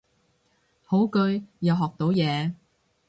好句，又學到嘢